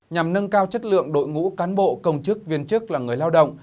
nhằm nâng cao chất lượng đội ngũ cán bộ công chức viên chức là người lao động